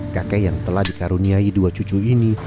kakek yang telah dikaruniai dua cucu ini